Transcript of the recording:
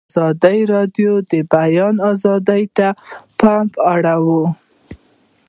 ازادي راډیو د د بیان آزادي ته پام اړولی.